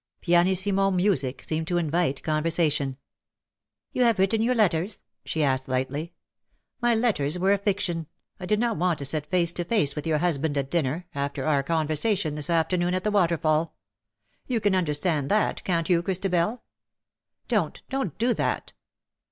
Pianissimo music seemed to invite conversation. " You have written your letters ?" she asked lightly. *' My letters were a fiction — I did not want to sit face to face with your husband at dinner, after our conversation this afternoon at the waterfall ; you can understand that, canH you Christabel. Don't — don't do that.''